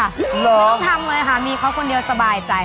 ไม่ต้องทำเลยค่ะมีเขาคนเดียวสบายใจ